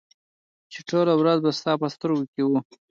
چې ټوله ورځ به ستا په سترګو کې وه